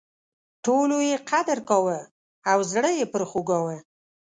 ټولو یې قدر کاوه او زړه یې پر خوږاوه.